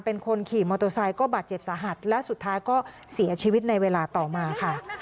เป็นคนขี่มอเตอร์ไซค์ก็บาดเจ็บสาหัสและสุดท้ายก็เสียชีวิตในเวลาต่อมาค่ะ